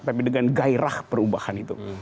tapi dengan gairah perubahan itu